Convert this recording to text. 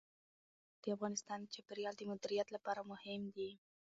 پابندی غرونه د افغانستان د چاپیریال د مدیریت لپاره مهم دي.